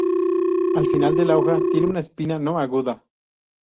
Al final de la hoja tiene una espina no aguda.